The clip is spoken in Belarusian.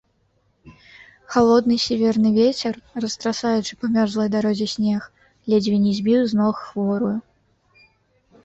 Халодны сіверны вецер, растрасаючы па мёрзлай дарозе снег, ледзьве не збіў з ног хворую.